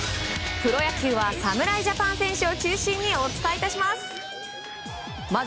プロ野球は侍ジャパン選手を中心にお伝えします。